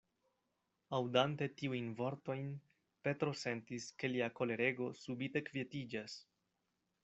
Aŭdante tiujn vortojn, Petro sentis, ke lia kolerego subite kvietiĝas.